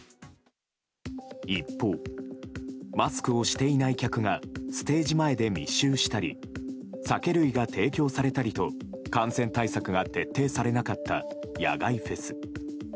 一方、マスクをしていない客がステージ前で密集したり酒類が提供されたりと感染対策が徹底されなかった野外フェス。